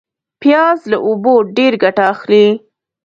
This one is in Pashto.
پیاز له اوبو ډېر ګټه اخلي